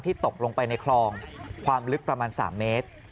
ตกลงไปในคลองความลึกประมาณ๓เมตร